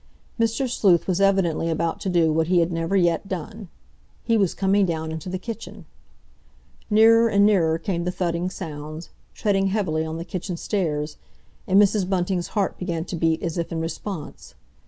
Mr. Sleuth was evidently about to do what he had never yet done. He was coming down into the kitchen. Nearer and nearer came the thudding sounds, treading heavily on the kitchen stairs, and Mrs. Bunting's heart began to beat as if in response.